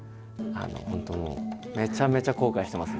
本当もうめちゃめちゃ後悔してます。